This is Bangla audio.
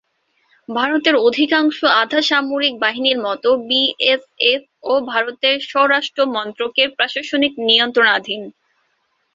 ভারতের অধিকাংশ আধাসামরিক বাহিনীর মতো বিএসএফ-ও ভারতের স্বরাষ্ট্র মন্ত্রকের প্রশাসনিক নিয়ন্ত্রণাধীন।